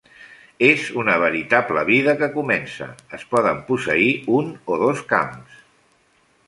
És una veritable vida que comença: es poden posseir un o dos camps.